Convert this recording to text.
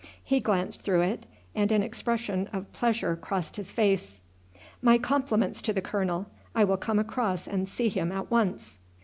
He glanced through it, and an expression of pleasure crossed his face. "My compliments to the colonel. I will come across and see him at once."